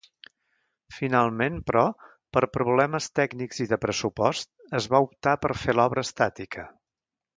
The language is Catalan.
Finalment, però, per problemes tècnics i de pressupost, es va optar per fer l'obra estàtica.